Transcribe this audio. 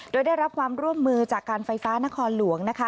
โดยได้รับความร่วมมือจากการไฟฟ้านครหลวงนะคะ